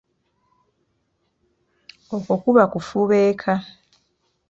Okwo kuba okufubeeka.